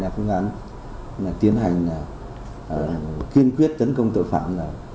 phương án là tiến hành kiên quyết tấn công tội phạm